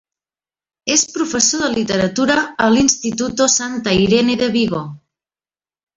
És professor de literatura a l'Instituto Santa Irene de Vigo.